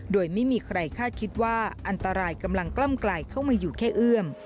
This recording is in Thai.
โดยไม่มีใครคาดคิดว่าอันตรายกำลังกล้ำไกลเข้ามาอยู่แค่เอื้อม